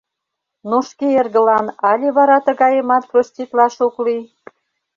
Но шке эргылан але вара тыгайымат проститлаш ок лий?